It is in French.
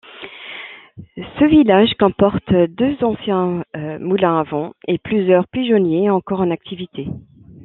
Ce village comporte deux anciens moulins à vent et plusieurs pigeonniers encore en activité.